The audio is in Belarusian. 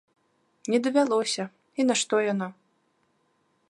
Не давялося, і нашто яно?